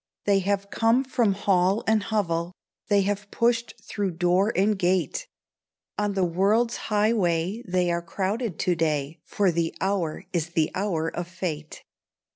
They have come from hall and hovel, They have pushed through door and gate; On the world's highway they are crowded to day, For the hour is the hour of fate.